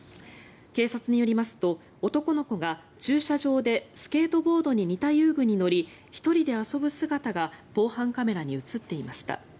警察によりますと男の子が駐車場でスケートボードに似た遊具に乗り１人で遊ぶ姿が防犯カメラに映っていました。